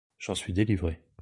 J’en suis délivré.